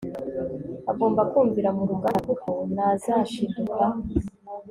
agomba kumvira muruganda kuko nazashiduka